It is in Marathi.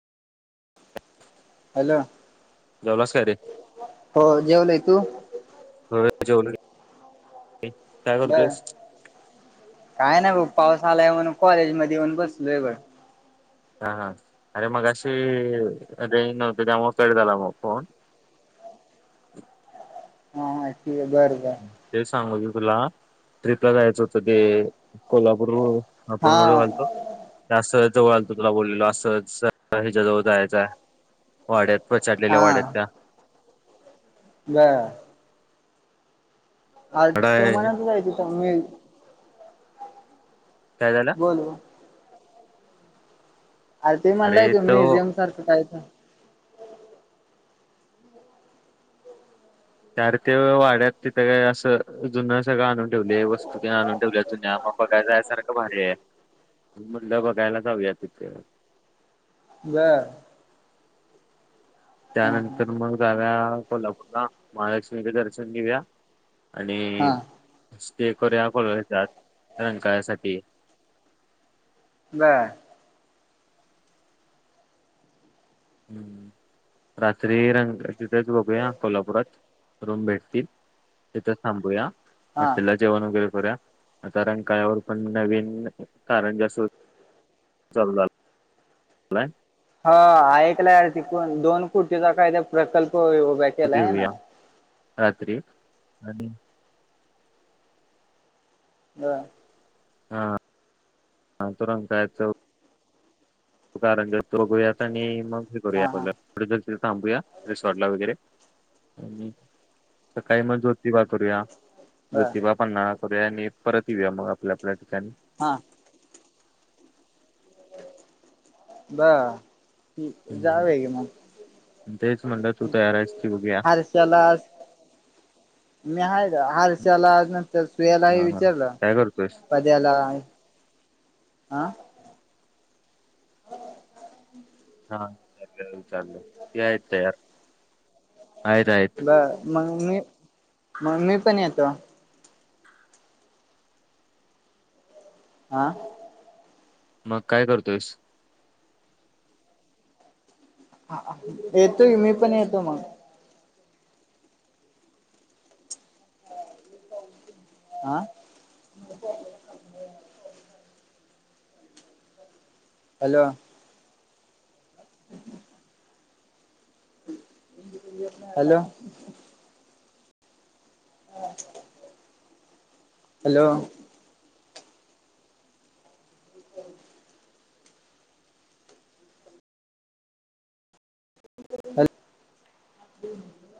हॅलो. तरेक हो जेवले. तू? [unintelligible] जेवले नि बरं, काय नाय भाऊ. पाऊस आलाय म्हनून कॉलेज मध्ये येऊन बसलो लई वेळ. हां-हां अरे मगाशी रेंज नव्हती त्यामुळं कट झाला मग फोन. [unintelligible] हा ठीक आहे बर बर. ते सांगू की तुला ट्रिपला जायचं होतं की कोल्हापूरूर. हा आपण [unintelligible] घालतो? त्यासच जवळ आलतो तुला बोललेलो असंच हिच्याजवळ जायचंये वाड्यात. पछाडलेल्या वाड्यात त्या. बंर आज वाडा आहे. तुम्हालाही करायचा होता मेल. काय झालं? बोलू आरं ते अरे म्हणलायेत तो म्युझियम सारखं कायते. त्या रे त्यो वाड्यात तिथे असं जुन सगळं आणून ठेवले वस्तू त्या आणून ठेवल्या जुन्या. बघाय जायसारखं भारीये मुल्ल बघायला जाऊया तिथं. जा त्यानंतर मग जाऊया कोल्हापूरला महालक्ष्मीचे दर्शन घेऊया. आणि हा. स्टे करूया आपण याच्यात रंकाळ्यासाठी. बरं हम्म रात्री रंक तिथेच बघूया कोल्हापुरात रूम भेटतील. तिथं थांबुया हा. हॉटेलला जेवण वगैरे करूया कारण काळ्यावर पण नवीन कारंजा सुरू चालु झालं लाय ह ऐकला अरं तिथं दोन कोटीचा कायदा प्रकल्प उभा तो केलाय आहे ना! घेऊया रात्री आणि ह हा हा तुरंग कायच कारण तोघूयात आणि मग हे हा हा करूया थांबूया रिसॉर्ट ला वगैरे सकाळी मग जोतिबा करूया बर ज्योतिबापांना करूया आणि परत येऊया मग आपल्या आपल्या ठिकाणी हा बा हम्म. जावे क मग तेच म्हणलं तू तयार आहेस की बघूया हर्षला मे हय हारसला अनंत तर सुयालाही हा हा विचारलं काय करतोयस? पद्याला हा हा चालेल चाललेल या आहेत तयार आहेत आहेत ब मग मी मग मी पण येतो आह मग काय करतोयस येतोय मी पण येतो मग आं हॅलो हम् हम हॅलो हॅलो हॅल